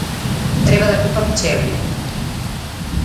Треба да купам чевли.